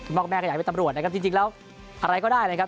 พ่อแม่ก็อยากเป็นตำรวจนะครับจริงแล้วอะไรก็ได้นะครับ